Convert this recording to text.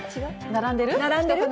並んでる？